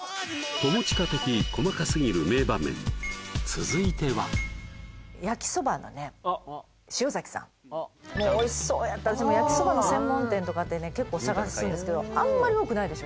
友近的細かすぎる名場面続いてはもうおいしそうやったし焼きそばの専門店とかってね結構探すんですけどあんまり多くないでしょ